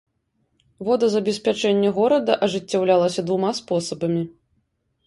Водазабеспячэнне горада ажыццяўлялася двума спосабамі.